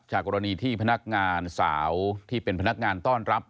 กรณีที่พนักงานสาวที่เป็นพนักงานต้อนรับ